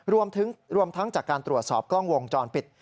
รวมทั้งจากการตรวจสอบกล้องวงจรปิด